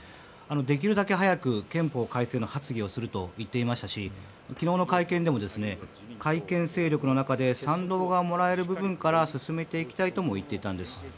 できるだけ早く、憲法改正の発議をすると言っていましたし昨日の会見でも改憲勢力の中で賛同がもらえる部分から進めていきたいとも言っていたんです。